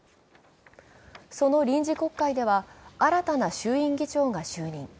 その臨時国会では新たな衆院議長が就任。